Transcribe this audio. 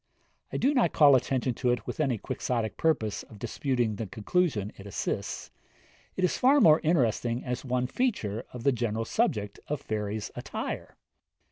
I do not call attention to it with any Quixotic purpose of disputing the conclusion it assists; it is far more interesting as one feature of the general subject of fairies' attire.